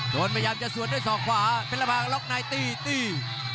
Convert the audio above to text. โทนพยายามจะส่วนด้วยสองขวาเพลรภากับล็อกไนตี้ตี้